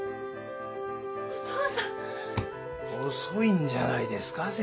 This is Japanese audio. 遅いんじゃないですか？